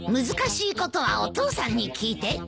難しいことはお父さんに聞いて。